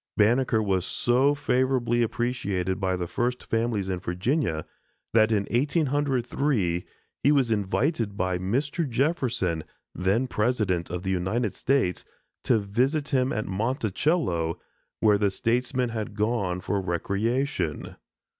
Banneker was so favorably appreciated by the first families in Virginia, that in 1803 he was invited by Mr. Jefferson, then President of the United States, to visit him at Monticello, where the statesman had gone for recreation.